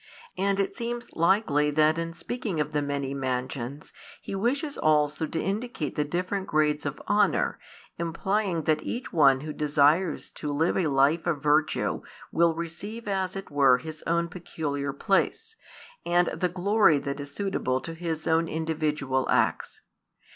And it seems likely that in speaking of the many mansions He wishes also to indicate the different grades of honour, implying that each one who desires to live a life of virtue will receive as it were his own peculiar place, and the glory that is suitable to his own individual acts.